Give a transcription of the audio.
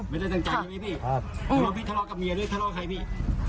ไม่ได้ตั้งใจใช่ไหมพี่ไม่ว่าพี่ทะเลาะกับเมียหรือทะเลาะใครพี่